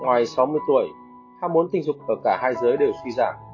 ngoài sáu mươi tuổi ham muốn tình dục ở cả hai giới đều suy giảm